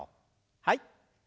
はい。